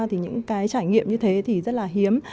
thì những cái trải nghiệm như thế thì rất là hiếm